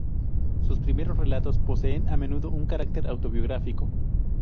Sus primeros relatos poseen a menudo un carácter autobiográfico.